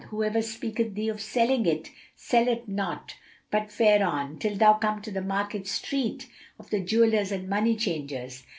Whoever bespeaketh thee of selling it, sell it not but fare on, till thou come to the market street of the jewellers and money changers.